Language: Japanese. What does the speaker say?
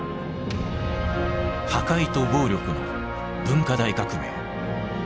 破壊と暴力の「文化大革命」。